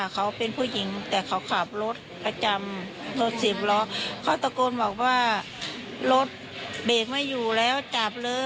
เขาเป็นผู้หญิงแต่เขาขับรถประจำรถสิบล้อเขาตะโกนบอกว่ารถเบรกไม่อยู่แล้วจับเลย